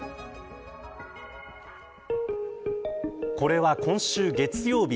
これは今週月曜日